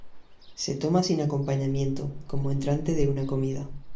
Se toma sin acompañamiento, como entrante de una comida.